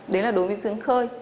đấy là đối với giếng khơi